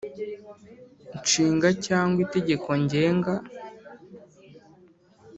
Nshinga cyangwa itegeko ngenga